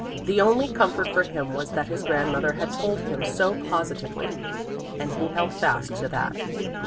The only comfort for him was that his grandmother had told him so positively, and he held fast to that.